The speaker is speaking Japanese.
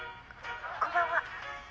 こんばんは。